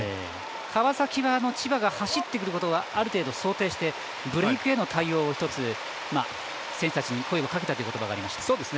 川崎は千葉が走ってくることはある程度、想定して対応を選手たちに声をかけたということがありました。